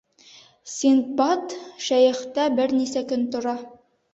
Синдбад шәйехтә бер нисә көн тора.